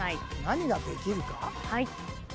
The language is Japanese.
何ができるか？